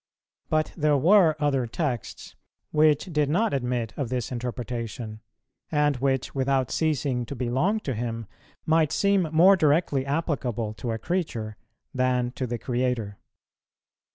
But there were other texts which did not admit of this interpretation, and which, without ceasing to belong to Him, might seem more directly applicable to a creature than to the Creator.